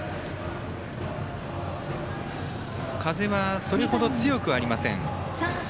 風は、それほど強くありません。